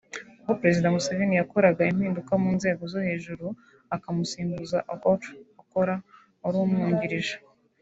ubwo Perezida Museveni yakoraga impinduka mu nzego zo hejuru akamusimbuza Okoth Ochola wari umwungirije